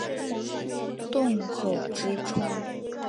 洞口之窗